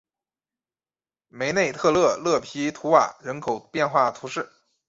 梅内特勒勒皮图瓦人口变化图示